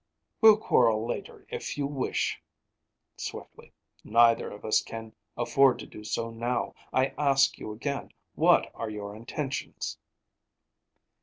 "We'll quarrel later, if you wish," swiftly. "Neither of us can afford to do so now. I ask you again, what are your intentions?"